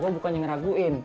gue bukannya ngeraguin